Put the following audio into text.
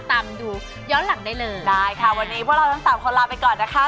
ตามดูย้อนหลังได้เลยได้ค่ะวันนี้พวกเราทั้งสามคนลาไปก่อนนะคะ